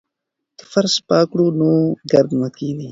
که فرش پاک کړو نو ګرد نه کښیني.